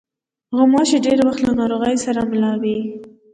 غوماشې ډېری وخت له ناروغیو سره مله وي.